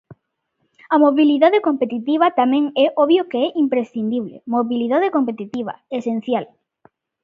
A mobilidade competitiva tamén é obvio que é imprescindible; mobilidade competitiva, esencial.